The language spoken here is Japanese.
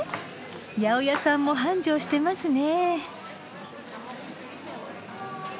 八百屋さんも繁盛してますねぇ。